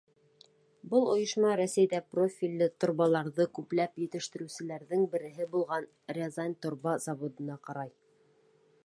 Был ойошма Рәсәйҙә профилле торбаларҙы күпләп етештереүселәрҙең береһе булған Рязань торба заводына ҡарай.